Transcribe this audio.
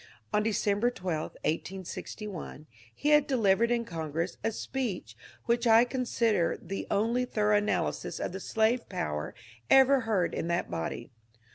On December 12, 1861, he had delivered in Congress a speech which I consider the only thorough analysis of the slave power ever heard in that body.